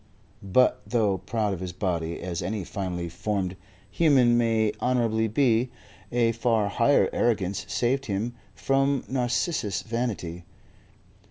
But though proud of his body as any finely formed human may honorably be, a far higher arrogance saved him from Narcissus vanity.